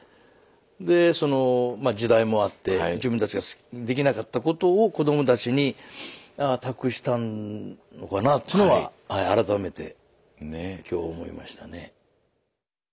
でそのまあ時代もあって自分たちができなかったことを子どもたちに託したのかなぁというのは改めて今日思いましたね。